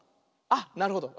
あっなるほど。